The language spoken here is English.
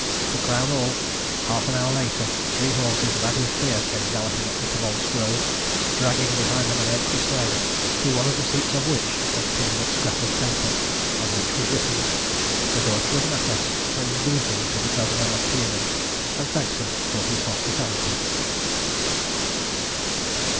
To crown all, half an hour later three horses, mad with fear, came galloping up the Tobolsk road, dragging behind them an empty sleigh, to one of the seats of which was pinned a scrap of paper on which was written "The daughter of Natas sends greeting to the Governor of Tiumen, and thanks him for his hospitality."